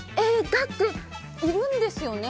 だって、いるんですよね